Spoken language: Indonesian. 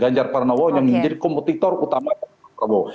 ganjar parnawo yang menjadi kompetitor utama pak prabowo